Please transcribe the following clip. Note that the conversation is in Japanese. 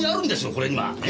これには！ね？